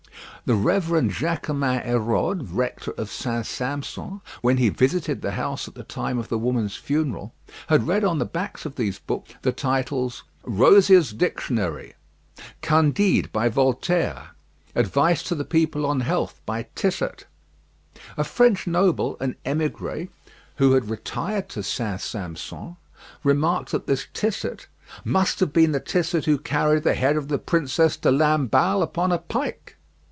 The Reverend Jaquemin Hérode, rector of St. Sampson, when he visited the house at the time of the woman's funeral, had read on the backs of these books the titles Rosier's Dictionary, Candide, by Voltaire, Advice to the People on Health, by Tissot. A French noble, an émigré, who had retired to St. Sampson, remarked that this Tissot, "must have been the Tissot who carried the head of the Princess de Lamballe upon a pike."